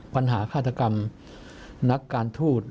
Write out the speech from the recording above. ฆาตกรรมนักการทูต